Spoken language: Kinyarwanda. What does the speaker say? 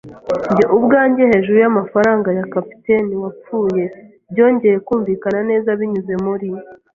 njye ubwanjye hejuru y'amafaranga ya capitaine wapfuye byongeye kumvikana neza binyuze muri